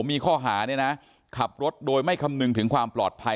มีข้อหาเนี่ยนะขับรถโดยไม่คำนึงถึงความปลอดภัย